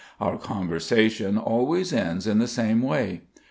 Our conversation always ends in the same way.